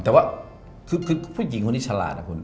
แต่ว่าคือผู้หญิงคนนี้ฉลาดนะคุณ